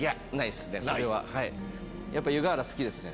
やっぱ湯河原好きですね。